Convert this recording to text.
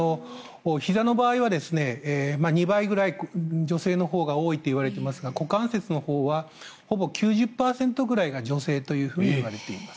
ひざの場合は２倍くらい女性のほうが多いといわれていますが股関節のほうはほぼ９０％くらいが女性といわれています。